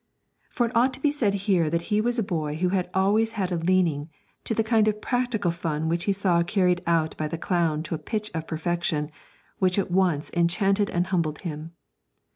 For it ought to be said here that he was a boy who had always had a leaning to the kind of practical fun which he saw carried out by the clown to a pitch of perfection which at once enchanted and humbled him.